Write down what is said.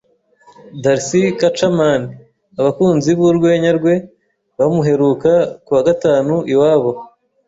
Darcy Kacaman abakunzi b'urwenya rwe bamuheruka ku wa gatanu iwabo